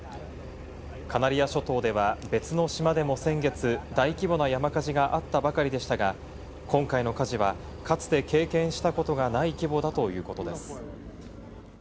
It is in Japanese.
カナリア諸島では別の島でも先月、大規模な山火事があったばかりでしたが、今回の火事はかつて経験したことがない規模だということです。